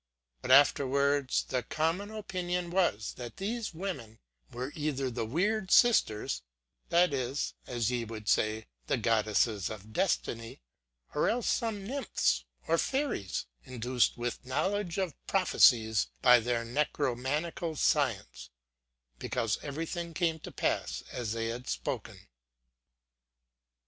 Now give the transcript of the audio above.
But afterwards the common opinion was, that these women were either the weird sisters, that is (as ye would say) the goddesses of destiny, or else some nymphs or fairies, indued with knowledge of prophecie by their necromatical science, because everything came to pass as they had spoken.